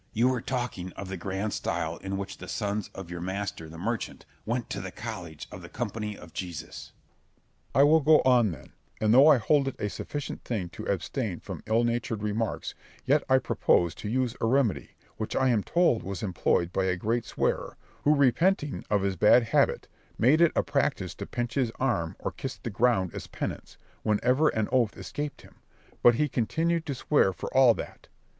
You were talking of the grand style in which the sons of your master the merchant went to the college of the Company of Jesus. Berg. I will go on then; and though I hold it a sufficient thing to abstain from ill natured remarks, yet I propose to use a remedy, which I am told was employed by a great swearer, who repenting of his bad habit, made it a practice to pinch his arm, or kiss the ground as penance, whenever an oath escaped him; but he continued to swear for all that.